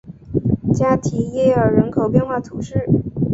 加提耶尔人口变化图示